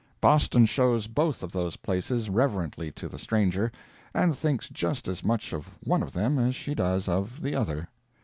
Boston shows both of those places reverently to the stranger, and thinks just as much of one of them as she does of the other.